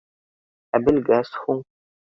— Ә белгәс һуң?